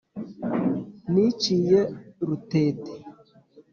niciye rutete